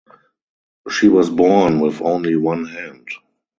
She was born with only one hand.